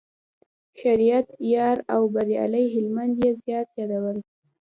شریعت یار او بریالي هلمند یې زیات یادول.